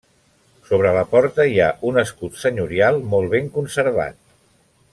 Sobre la porta hi ha un escut senyorial molt ben conservat.